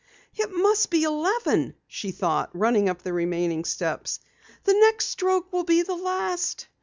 "It must be eleven," she thought, running up the remaining steps. "The next stroke will be the last."